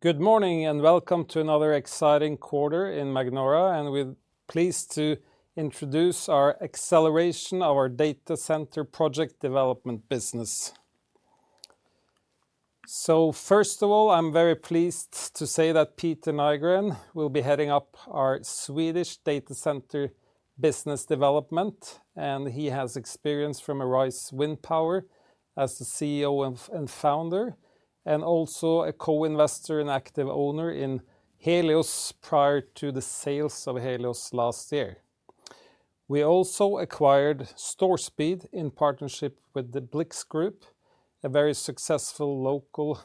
Good morning and welcome to another exciting quarter in Magnora, and we're pleased to introduce our acceleration of our data center project development business. So first of all, I'm very pleased to say that Peter Nygren will be heading up our Swedish data center business development, and he has experience from Arise Windpower as the CEO and founder, and also a co-investor and active owner in Helios prior to the sales of Helios last year. We also acquired Torpheia in partnership with the Blix Group, a very successful local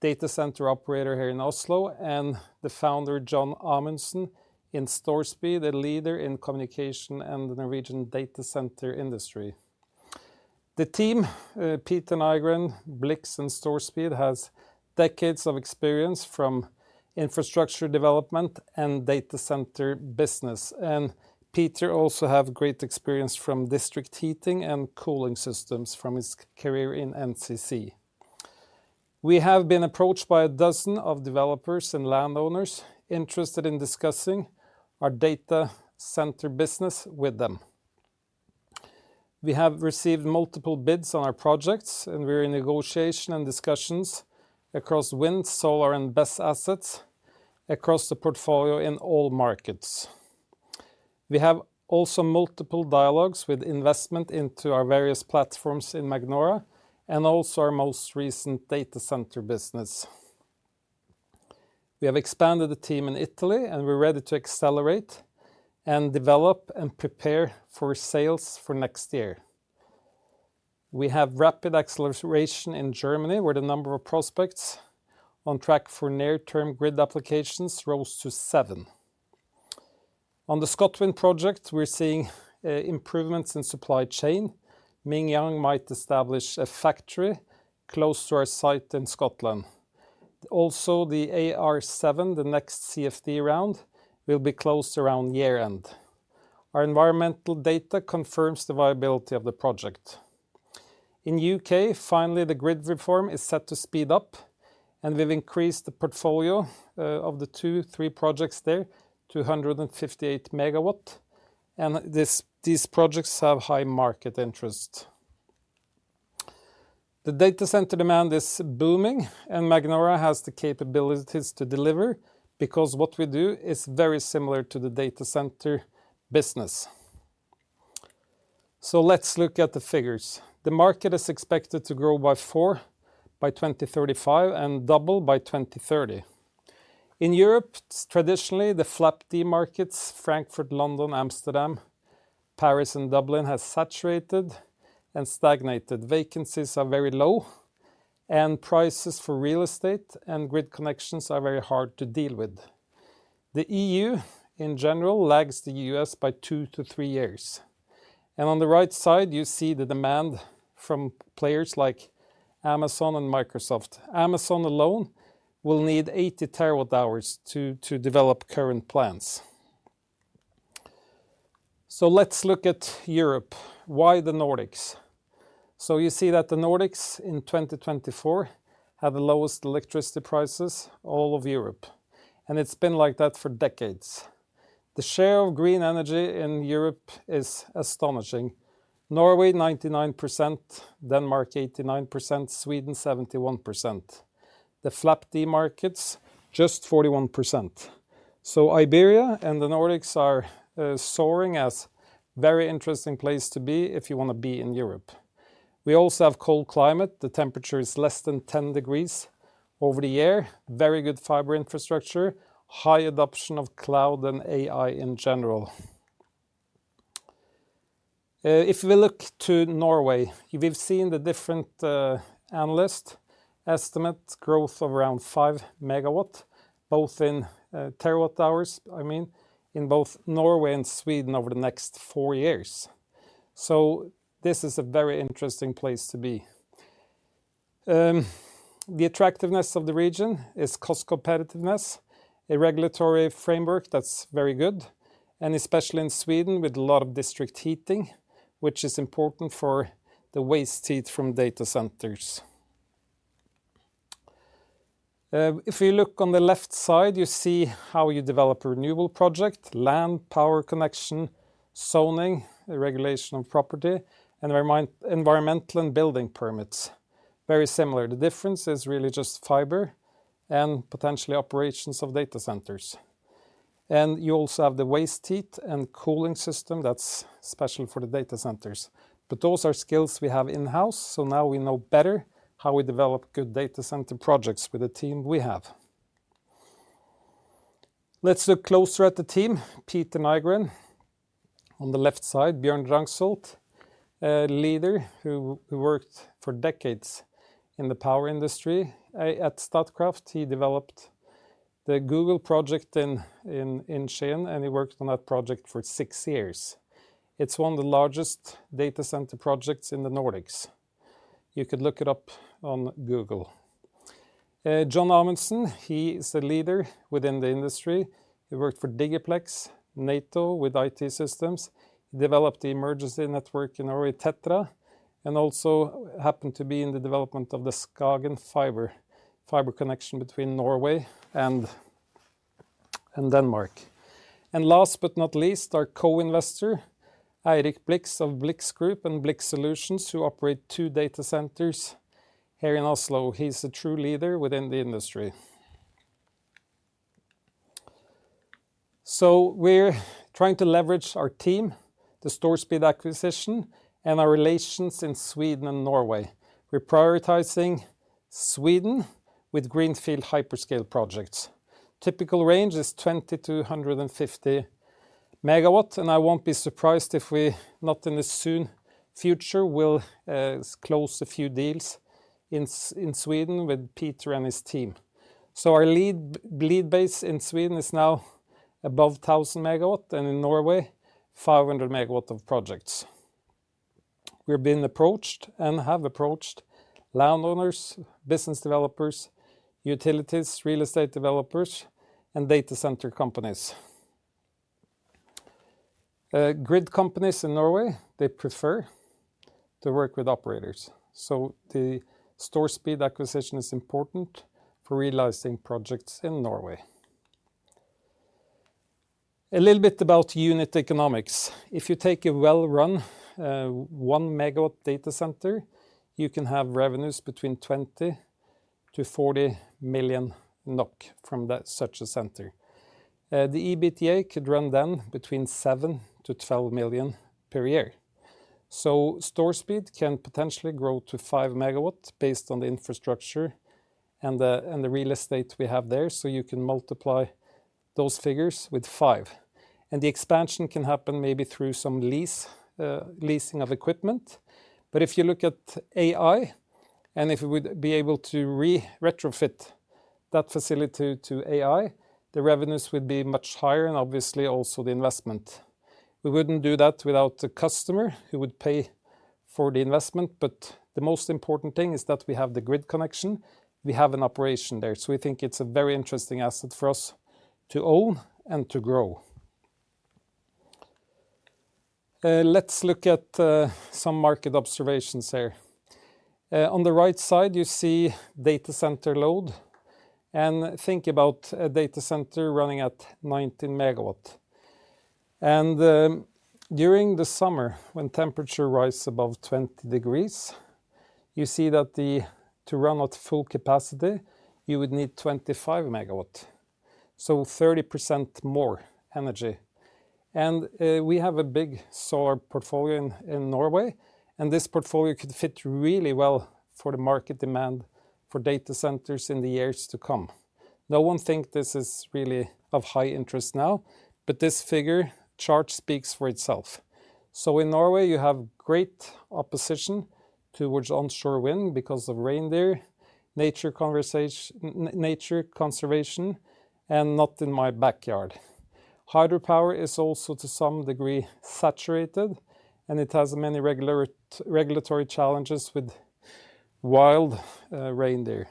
data center operator here in Oslo, and the founder John Amundsen in Torpheia, a leader in communication and the Norwegian data center industry. The team, Peter Nygren, Blix, and Torpheia, has decades of experience from infrastructure development and data center business, and Pieter also has great experience from district heating and cooling systems from his career in NCC. We have been approached by a dozen of developers and landowners interested in discussing our data center business with them. We have received multiple bids on our projects, and we're in negotiation and discussions across wind, solar, and BESS assets across the portfolio in all markets. We have also multiple dialogues with investment into our various platforms in Magnora and also our most recent data center business. We have expanded the team in Italy, and we're ready to accelerate and develop and prepare for sales for next year. We have rapid acceleration in Germany, where the number of prospects on track for near-term grid applications rose to seven. On the ScotWind project, we're seeing improvements in supply chain. Mingyang might establish a factory close to our site in Scotland. Also, the AR7, the next CFD round, will be closed around year-end. Our environmental data confirms the viability of the project. In the U.K., finally, the grid reform is set to speed up, and we've increased the portfolio of the two, three projects there to 158 megawatts, and these projects have high market interest. The data center demand is booming, and Magnora has the capabilities to deliver because what we do is very similar to the data center business, so let's look at the figures. The market is expected to grow by four by 2035 and double by 2030. In Europe, traditionally, the FLAP-D markets, Frankfurt, London, Amsterdam, Paris, and Dublin have saturated and stagnated. Vacancies are very low, and prices for real estate and grid connections are very hard to deal with. The E.U., in general, lags the U.S. by two to three years, and on the right side, you see the demand from players like Amazon and Microsoft. Amazon alone will need 80 terawatt hours to develop current plans. So let's look at Europe. Why the Nordics? So you see that the Nordics in 2024 had the lowest electricity prices in all of Europe, and it's been like that for decades. The share of green energy in Europe is astonishing. Norway 99%, Denmark 89%, Sweden 71%. The FLAP-D markets just 41%. So Iberia and the Nordics are soaring as a very interesting place to be if you want to be in Europe. We also have a cold climate. The temperature is less than 10 degrees over the year. Very good fiber infrastructure, high adoption of cloud and AI in general. If we look to Norway, we've seen the different analysts estimate growth of around five megawatts, both in terawatt hours, I mean, in both Norway and Sweden over the next four years. So this is a very interesting place to be. The attractiveness of the region is cost competitiveness, a regulatory framework that's very good, and especially in Sweden with a lot of district heating, which is important for the waste heat from data centers. If you look on the left side, you see how you develop a renewable project, land power connection, zoning, regulation of property, and environmental and building permits. Very similar. The difference is really just fiber and potentially operations of data centers. And you also have the waste heat and cooling system that's special for the data centers. But those are skills we have in-house, so now we know better how we develop good data center projects with the team we have. Let's look closer at the team. Peter Nygren on the left side, Bjørn Drangsholt, a leader who worked for decades in the power industry at Statkraft. He developed the Google project in Skien, and he worked on that project for six years. It's one of the largest data center projects in the Nordics. You could look it up on Google. John Amundsen, he is a leader within the industry. He worked for DigiPlex, NATO, with IT systems. He developed the emergency network in Norway, TETRA, and also happened to be in the development of the Skagen fiber connection between Norway and Denmark. And last but not least, our co-investor Eirik Blix of Blix Group and Blix Solutions, who operate two data centers here in Oslo. He's a true leader within the industry. So we're trying to leverage our team, the Torpheia acquisition, and our relations in Sweden and Norway. We're prioritizing Sweden with greenfield hyperscale projects. Typical range is 20-150 megawatts, and I won't be surprised if we not in the soon future will close a few deals in Sweden with Pieter and his team, so our lead base in Sweden is now above 1,000 megawatts, and in Norway, 500 megawatts of projects. We've been approached and have approached landowners, business developers, utilities, real estate developers, and data center companies. Grid companies in Norway, they prefer to work with operators, so the Torpheia acquisition is important for realizing projects in Norway. A little bit about unit economics. If you take a well-run one megawatt data center, you can have revenues between 20-40 million NOK from such a center. The EBITDA could run then between 7-12 million per year. So Torpheia can potentially grow to five megawatts based on the infrastructure and the real estate we have there, so you can multiply those figures with five. And the expansion can happen maybe through some leasing of equipment. But if you look at AI, and if we would be able to retrofit that facility to AI, the revenues would be much higher, and obviously also the investment. We wouldn't do that without the customer who would pay for the investment, but the most important thing is that we have the grid connection. We have an operation there, so we think it's a very interesting asset for us to own and to grow. Let's look at some market observations here. On the right side, you see data center load, and think about a data center running at 19 megawatts. And during the summer, when temperature rises above 20 degrees, you see that to run at full capacity, you would need 25 megawatts, so 30% more energy. And we have a big solar portfolio in Norway, and this portfolio could fit really well for the market demand for data centers in the years to come. No one thinks this is really of high interest now, but this figure, chart speaks for itself. So in Norway, you have great opposition toward onshore wind because of reindeer there, nature conservation, and not in my backyard. Hydropower is also to some degree saturated, and it has many regulatory challenges with wild reindeer there.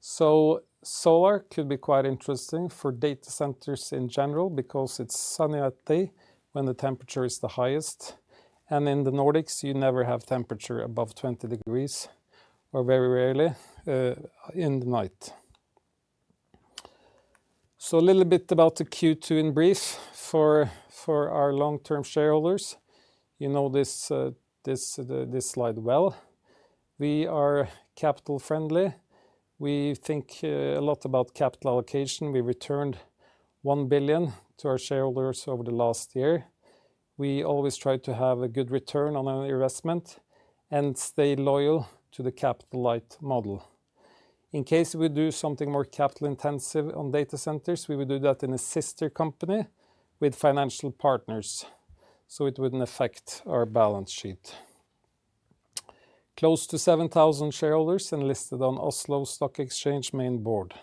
So solar could be quite interesting for data centers in general because it's sunny at day when the temperature is the highest, and in the Nordics, you never have temperature above 20 degrees or very rarely in the night. So a little bit about the Q2 in brief for our long-term shareholders. You know this slide well. We are capital-friendly. We think a lot about capital allocation. We returned 1 billion to our shareholders over the last year. We always try to have a good return on our investment and stay loyal to the capital-light model. In case we do something more capital-intensive on data centers, we would do that in a sister company with financial partners, so it wouldn't affect our balance sheet. Close to 7,000 shareholders listed on Oslo Stock Exchange Main Board.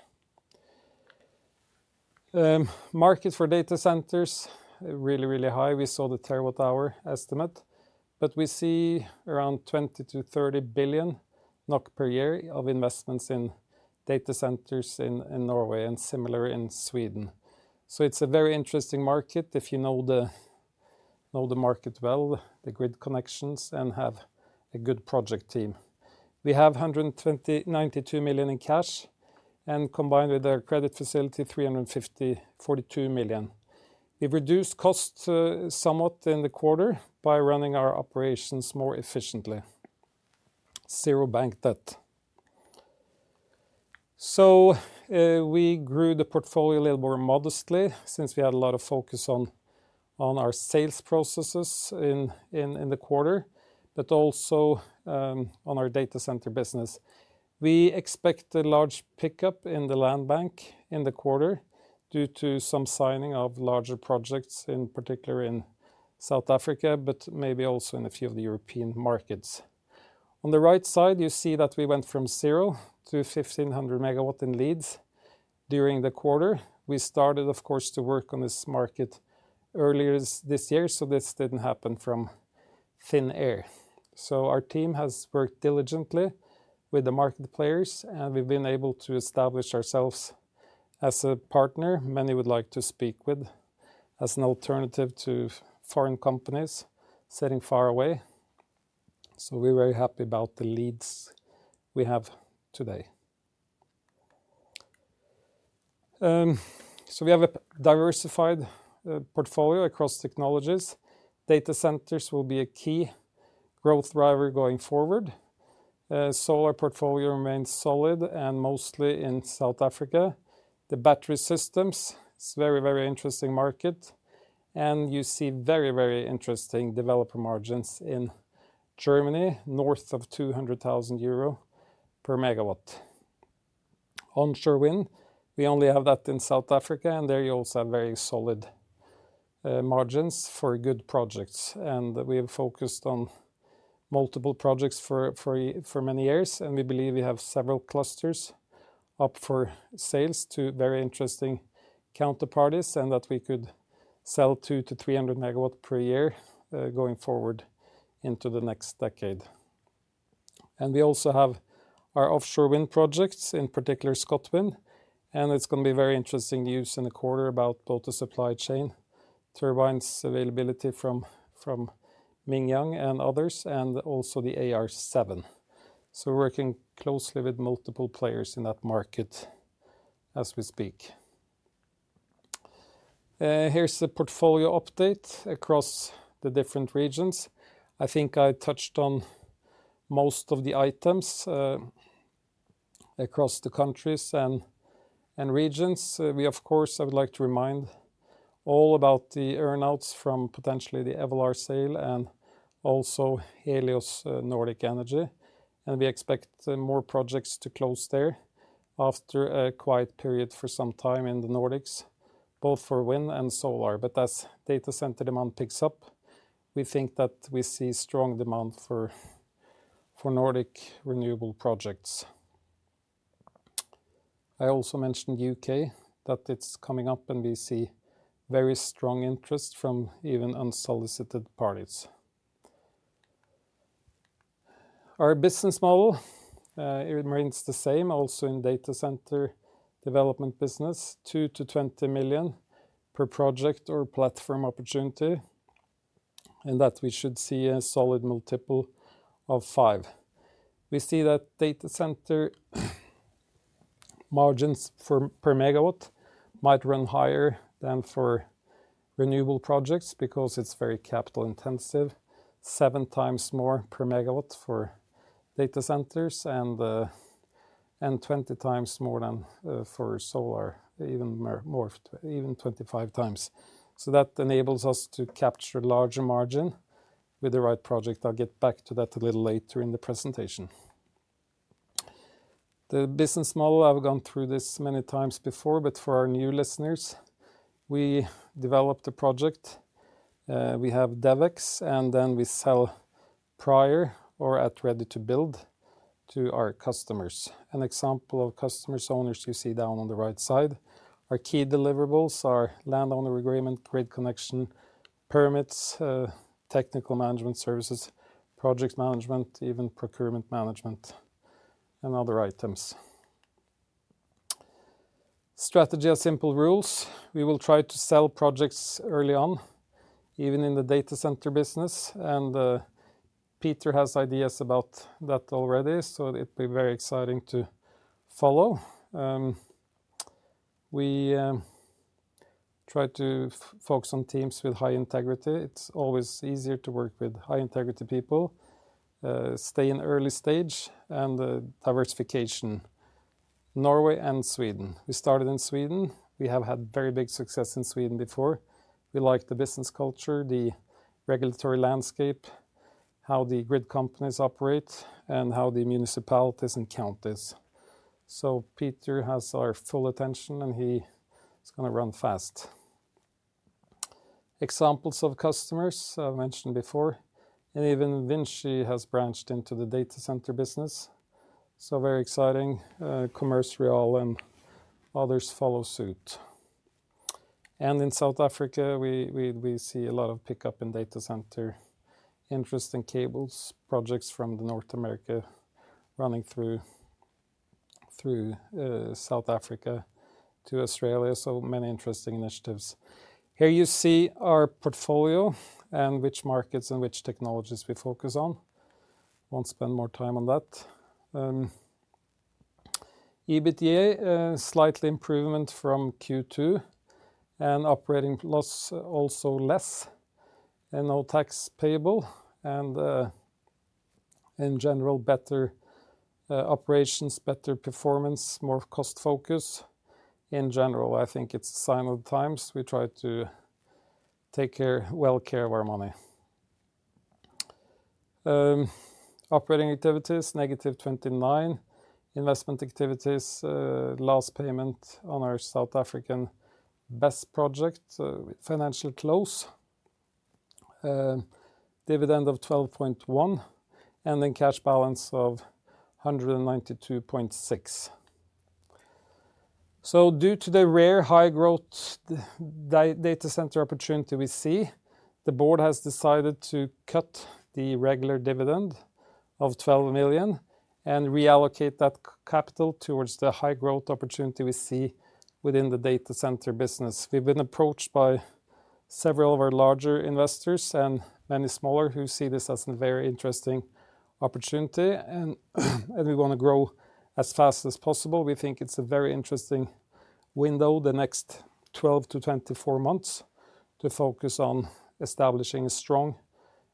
Market for data centers is really, really high. We saw the terawatt hour estimate, but we see around 20-30 billion NOK per year of investments in data centers in Norway and similar in Sweden. So it's a very interesting market if you know the market well, the grid connections, and have a good project team. We have 192 million in cash, and combined with our credit facility, 342 million. We've reduced costs somewhat in the quarter by running our operations more efficiently. Zero bank debt. So we grew the portfolio a little more modestly since we had a lot of focus on our sales processes in the quarter, but also on our data center business. We expect a large pickup in the land bank in the quarter due to some signing of larger projects, in particular in South Africa, but maybe also in a few of the European markets. On the right side, you see that we went from zero to 1,500 megawatt in leads during the quarter. We started, of course, to work on this market earlier this year, so this didn't happen from thin air. So our team has worked diligently with the market players, and we've been able to establish ourselves as a partner many would like to speak with as an alternative to foreign companies sitting far away. So we're very happy about the leads we have today. So we have a diversified portfolio across technologies. Data centers will be a key growth driver going forward. Solar portfolio remains solid and mostly in South Africa. The battery systems, it's a very, very interesting market, and you see very, very interesting developer margins in Germany, north of 200,000 euro per megawatt. Onshore wind, we only have that in South Africa, and there you also have very solid margins for good projects. And we have focused on multiple projects for many years, and we believe we have several clusters up for sales to very interesting counterparties and that we could sell 200-300 megawatts per year going forward into the next decade. And we also have our offshore wind projects, in particular ScotWind, and it's going to be very interesting news in the quarter about both the supply chain turbines availability from Mingyang and others, and also the AR7. So we're working closely with multiple players in that market as we speak. Here's the portfolio update across the different regions. I think I touched on most of the items across the countries and regions. We, of course, I would like to remind all about the earnings from potentially the Evolar sale and also Helios Nordic Energy. We expect more projects to close there after a quiet period for some time in the Nordics, both for wind and solar. But as data center demand picks up, we think that we see strong demand for Nordic renewable projects. I also mentioned the U.K., that it's coming up, and we see very strong interest from even unsolicited parties. Our business model, it remains the same, also in data center development business, 200-20 million per project or platform opportunity, and that we should see a solid multiple of five. We see that data center margins per megawatt might run higher than for renewable projects because it's very capital-intensive, seven times more per megawatt for data centers and 20 times more than for solar, even 25 times. So that enables us to capture a larger margin with the right project. I'll get back to that a little later in the presentation. The business model, I've gone through this many times before, but for our new listeners, we developed a project. We have DevEx, and then we sell prior or at ready to build to our customers. An example of customers' owners you see down on the right side. Our key deliverables are landowner agreement, grid connection, permits, technical management services, project management, even procurement management, and other items. Strategy has simple rules. We will try to sell projects early on, even in the data center business, and Pieter has ideas about that already, so it'd be very exciting to follow. We try to focus on teams with high integrity. It's always easier to work with high integrity people, stay in early stage, and diversification. Norway and Sweden. We started in Sweden. We have had very big success in Sweden before. We like the business culture, the regulatory landscape, how the grid companies operate, and how the municipalities and counties, so Pieter has our full attention, and he's going to run fast. Examples of customers I mentioned before, and even Vinci has branched into the data center business, so very exciting. Commerz Real and others follow suit, and in South Africa, we see a lot of pickup in data center, interesting cables, projects from North America running through South Africa to Australia, so many interesting initiatives. Here you see our portfolio and which markets and which technologies we focus on. Won't spend more time on that. EBITDA, slightly improvement from Q2, and operating loss also less, and no tax payable, and in general, better operations, better performance, more cost focus. In general, I think it's a sign of the times. We try to take well care of our money. Operating activities, negative 29. Investment activities, last payment on our South African BESS project, financial close, dividend of 12.1, and then cash balance of 192.6. So due to the rare high growth data center opportunity we see, the board has decided to cut the regular dividend of 12 million and reallocate that capital towards the high growth opportunity we see within the data center business. We've been approached by several of our larger investors and many smaller who see this as a very interesting opportunity, and we want to grow as fast as possible. We think it's a very interesting window, the next 12-24 months, to focus on establishing a strong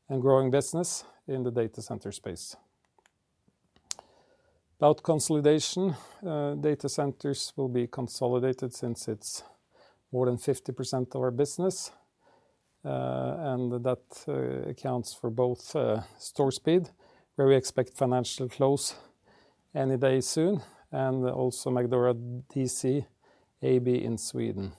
and growing business in the data center space. About consolidation, data centers will be consolidated since it's more than 50% of our business, and that accounts for both Torpheia, where we expect financial close any day soon, and also Magnora DC AB in Sweden.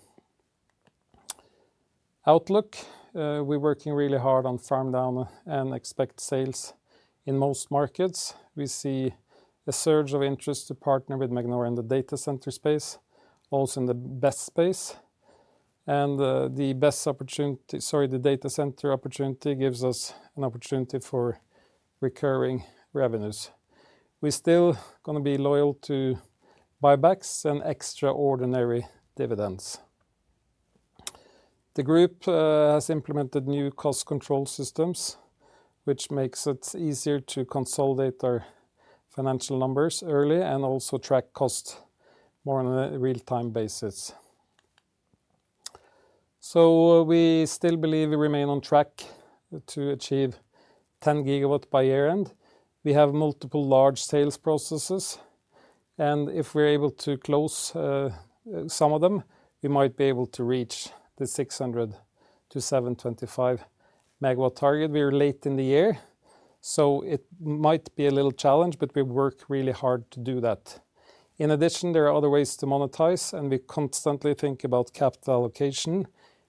Outlook, we're working really hard on farm down and expect sales in most markets. We see a surge of interest to partner with Magnora in the data center space, also in the BESS space, and the BESS opportunity, sorry, the data center opportunity gives us an opportunity for recurring revenues. We're still going to be loyal to buybacks and extraordinary dividends. The group has implemented new cost control systems, which makes it easier to consolidate our financial numbers early and also track costs more on a real-time basis. So we still believe we remain on track to achieve 10 gigawatts by year-end. We have multiple large sales processes, and if we're able to close some of them, we might be able to reach the 600-725 MW target. We're late in the year, so it might be a little challenge, but we work really hard to do that. In addition, there are other ways to monetize, and we constantly think about capital allocation,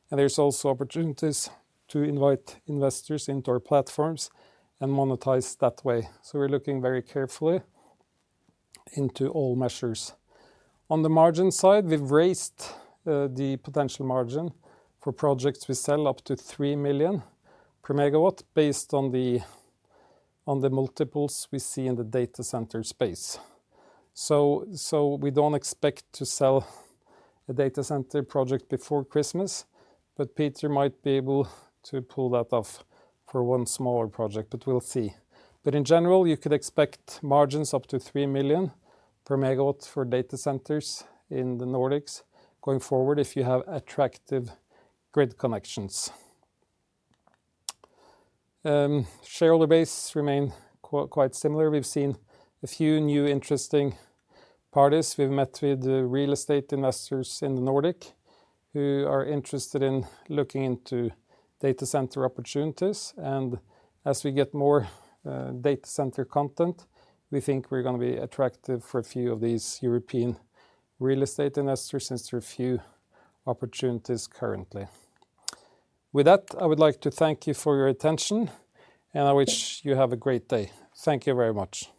and there's also opportunities to invite investors into our platforms and monetize that way, so we're looking very carefully into all measures. On the margin side, we've raised the potential margin for projects we sell up to 3 million per MW based on the multiples we see in the data center space, so we don't expect to sell a data center project before Christmas, but Pieter might be able to pull that off for one smaller project, but we'll see. But in general, you could expect margins up to 3 million per megawatt for data centers in the Nordics going forward if you have attractive grid connections. Shareholder base remain quite similar. We've seen a few new interesting parties. We've met with real estate investors in the Nordics who are interested in looking into data center opportunities, and as we get more data center content, we think we're going to be attractive for a few of these European real estate investors since there are a few opportunities currently. With that, I would like to thank you for your attention, and I wish you have a great day. Thank you very much.